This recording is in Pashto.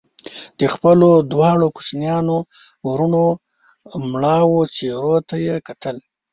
د خپلو دواړو کوچنيانو وروڼو مړاوو څېرو ته يې کتل